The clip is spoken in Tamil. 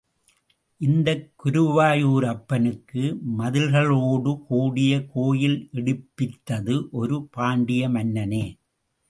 இந்த குருவாயூரப்பனுக்கு மதில்களோடு கூடிய கோயில் எடுப்பித்தது ஒரு பாண்டிய மன்னனே.